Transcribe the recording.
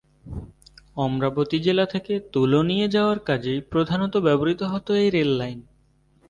অমরাবতী জেলা থেকে তুলো নিয়ে যাওয়ার কাজেই প্রধানত ব্যবহৃত হত এই রেল লাইন।